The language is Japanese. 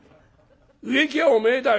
植木屋はおめえだよ。